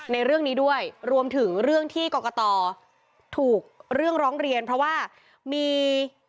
ในเรื่องนี้ด้วยรวมถึงเรื่องที่กรกตถูกเรื่องร้องเรียนเพราะว่ามี